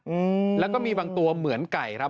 อืมแล้วก็มีบางตัวเหมือนไก่ครับ